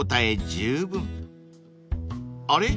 ［あれ？